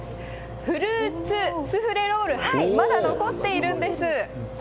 フルーツスフレロール、まだ残っているんです。